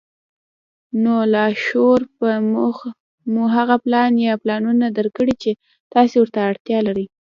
نو لاشعور به مو هغه پلان يا پلانونه درکړي چې تاسې ورته اړتيا لرئ.